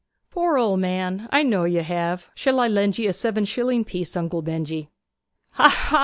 'Poor old man I know you have. Shall I lend you a seven shilling piece, Uncle Benjy?' 'Ha, ha!